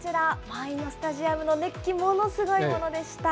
満員のスタジアムの熱気、ものすごいものでした。